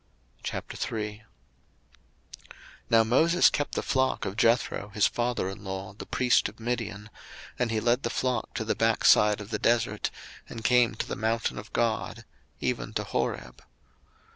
02:003:001 Now Moses kept the flock of Jethro his father in law, the priest of Midian: and he led the flock to the backside of the desert, and came to the mountain of God, even to Horeb.